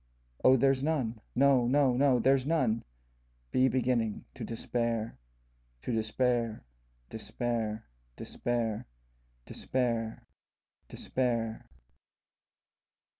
O there 's none; no no no there 's none:Be beginning to despair, to despair, Despair, despair, despair, despair.